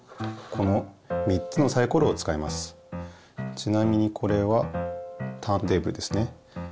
ちなみにこれはターンテーブルですね。